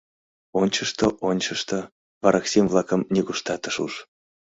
Ончышто, ончышто, вараксим-влакым нигуштат ыш уж.